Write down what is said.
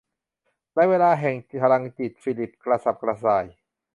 ในช่วงเวลาแห่งพลังจิตฟิลิปกระสับกระส่าย